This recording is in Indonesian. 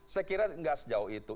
saya kira nggak sejauh itu